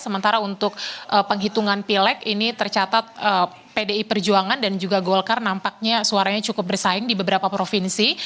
sementara untuk penghitungan pilek ini tercatat pdi perjuangan dan juga golkar nampaknya suaranya cukup bersaing di beberapa provinsi